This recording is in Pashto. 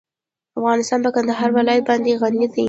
افغانستان په کندهار ولایت باندې غني دی.